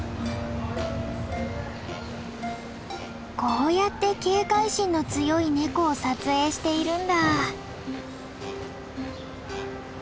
こうやって警戒心の強いネコを撮影しているんだ。